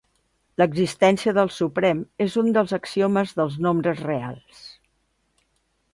L'existència del suprem és un dels axiomes dels nombres reals.